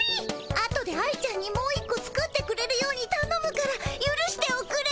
あとで愛ちゃんにもう一こ作ってくれるようにたのむからゆるしておくれ。